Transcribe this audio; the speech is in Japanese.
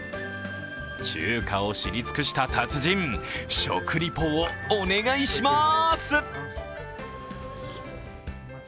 中華を知り尽くした達人、食リポをお願いしまーす。